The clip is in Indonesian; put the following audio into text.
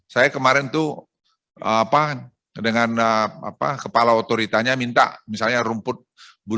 saya kemarin tuh dengan kepala otoritanya minta misalnya rumput bola